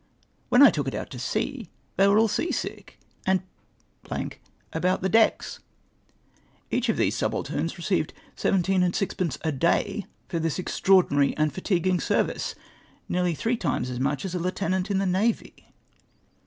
^Yhen I took it out to sea, they were all sea sick, and about the decks ! Each of these subalterns received seventeen and. sixijence a day for tliis extraordinary and, fatiguing service; — nearly three times as much as a lieutenant in the navy